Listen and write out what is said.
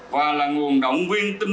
và là nguồn động viên tính